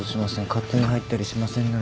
勝手に入ったりしませんので。